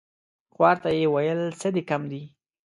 خوار ته يې ويل څه دي کم دي ؟